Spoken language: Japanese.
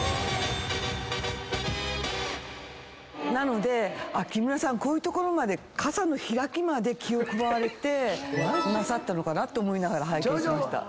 なので木村さんかさの開きまで気を配られてなさったのかなと思いながら拝見しました。